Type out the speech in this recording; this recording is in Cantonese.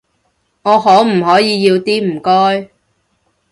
我可唔可以要啲，唔該？